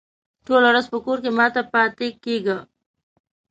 ټوله ورځ په کور کې مه پاته کېږه!